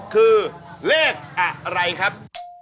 คือเลขอะไรครับ